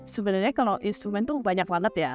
sebenarnya kalau instrumen tuh banyak banget ya